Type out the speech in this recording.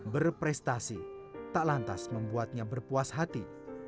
berprestasi tak lantas membuatnya berpuas hati